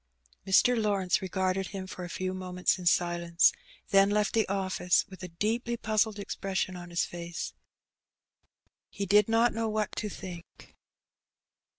Mr. Lawrence regarded him for a few moments in silence, then left the office with a deeply puzzled expression on his face. He did not know what to think.